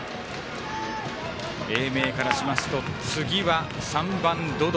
英明からしますと次は３番、百々。